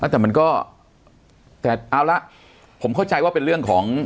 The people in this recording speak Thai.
แต่มันก็แต่เอาละผมเข้าใจว่าเป็นเรื่องของ